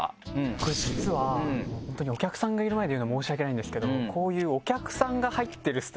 僕実は本当にお客さんがいる前で言うのは申し訳ないんですけどこういう。